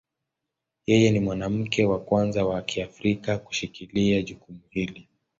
Yeye ni mwanamke wa kwanza wa Kiafrika kushikilia jukumu hili.